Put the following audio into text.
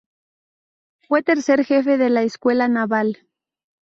Fue tercer jefe de la Escuela Naval.